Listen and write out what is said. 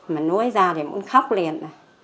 mà nuối ra thì muốn khóc liền